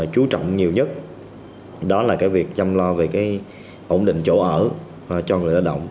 chú trọng nhiều nhất đó là việc chăm lo về cái ổn định chỗ ở cho người lao động